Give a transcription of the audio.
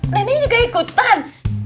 neneng juga ikutan